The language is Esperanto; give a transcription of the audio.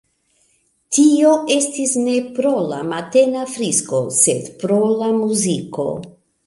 Tio estis ne pro la matena frisko, sed pro la muziko.